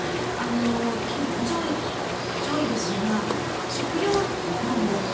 金正日氏が食料難であると。